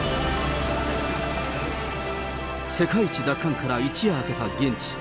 世界一奪還から一夜明けた現地。